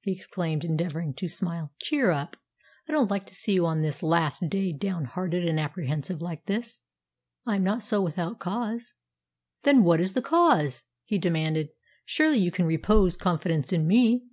he exclaimed, endeavouring to smile. "Cheer up. I don't like to see you on this last day down hearted and apprehensive like this." "I am not so without cause." "Then, what is the cause?" he demanded. "Surely you can repose confidence in me?"